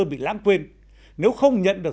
bị lãng quên nếu không nhận được